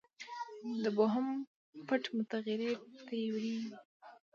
د بوهم پټ متغیر تیوري وه.